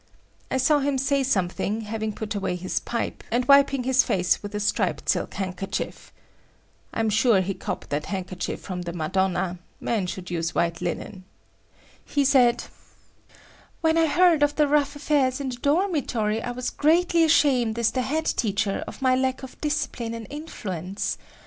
I saw him say something, having put away his pipe, and wiping his face with a striped silk handkerchief. I'm sure he copped that handkerchief from the Madonna; men should use white linen. He said: "When I heard of the rough affairs in the dormitory, I was greatly ashamed as the head teacher of my lack of discipline and influence.